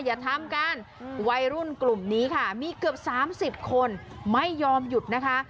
อย่าทำกันวัยรุ่นกลุ่มนี้ค่ะมีเกือบ๓๐คนไม่ยอมหยุดนะคะ